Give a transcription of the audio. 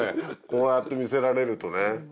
こうやって見せられるとね。